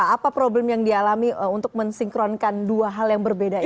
apa problem yang dialami untuk mensinkronkan dua hal yang berbeda ini